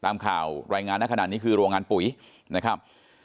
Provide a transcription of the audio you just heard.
ตามข่าวรายงานนะขนาดนี้คือโรงงานปุ๋ยนะครับ